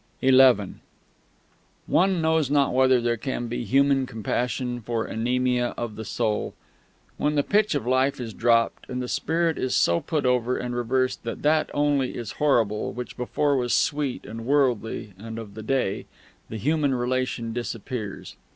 XI One knows not whether there can be human compassion for anemia of the soul. When the pitch of Life is dropped, and the spirit is so put over and reversed that that only is horrible which before was sweet and worldly and of the day, the human relation disappears.